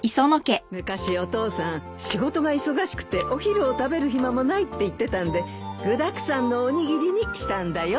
昔お父さん仕事が忙しくてお昼を食べる暇もないって言ってたんで具だくさんのおにぎりにしたんだよ。